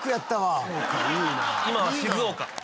今は静岡。